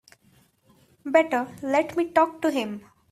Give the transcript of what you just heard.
Better let me talk to him.